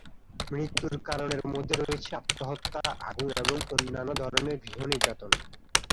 মৃত্যুর কারণের মধ্যে রয়েছে আত্মহত্যা, আগুন এবং অন্যান্য ধরণের গৃহ নির্যাতন।